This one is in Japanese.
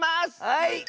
はい！